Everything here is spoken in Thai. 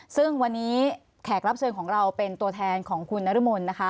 ซึ่งวันนี้แขกรับเชิญของเราเป็นตัวแทนของคุณนรมนนะคะ